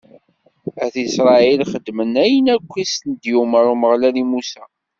At Isṛayil xedmen ayen akk i s-d-yumeṛ Umeɣlal i Musa.